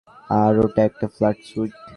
আর ওটা একটা flight sweet.